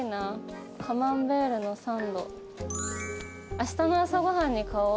あしたの朝ご飯に買おう。